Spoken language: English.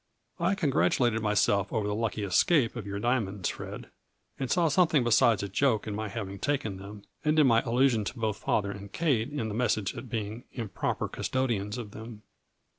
I congratulated myself over the lucky escape of your diamonds, Fred, and saw something be sides a joke in my having taken them, and in my allusion to both father and Kate in the message as being ' improper custodians of them.